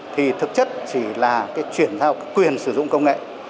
thì thực chất chỉ là cái chuyển giao quyền sử dụng công nghệ